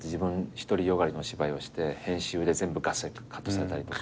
独り善がりのお芝居をして編集で全部カットされたりとか。